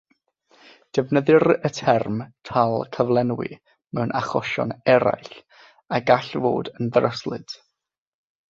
Defnyddir y term "tâl cyflenwi" mewn achosion eraill, a gall fod yn ddryslyd.